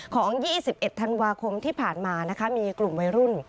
๒๑ธันวาคมที่ผ่านมานะคะมีกลุ่มวัยรุ่น